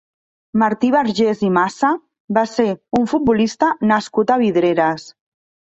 Martí Vergés i Massa va ser un futbolista nascut a Vidreres.